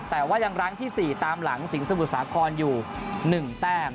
แต่ว่ายังรั้งที่๔ตามหลังสิงสมุทรสาครอยู่๑แต้ม